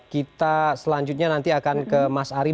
kita selanjutnya nanti akan ke mas ari